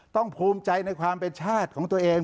ภูมิใจในความเป็นชาติของตัวเอง